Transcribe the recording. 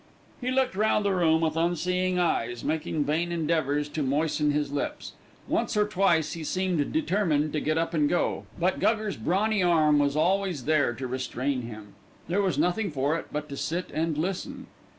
He looked round the room with unseeing eyes, making vain endeavours to moisten his lips. Once or twice he seemed determined to get up and go, but Guggers' brawny arm was always there to restrain him. There was nothing for it but to sit and listen.